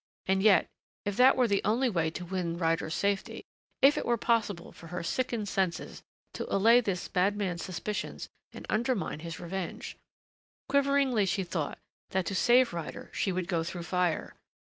And yet, if that were the only way to win Ryder's safety if it were possible for her sickened senses to allay this madman's suspicions and undermine his revenge Quiveringly she thought that to save Ryder she would go through fire.